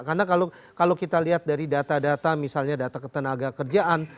karena kalau kita lihat dari data data misalnya data ketenaga kerjaan